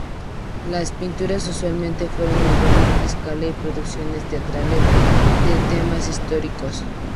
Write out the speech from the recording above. Las pinturas usualmente fueron en gran escala y producciones teatrales de temas históricos.